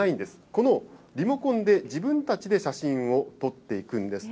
このリモコンで自分たちで写真を撮っていくんです。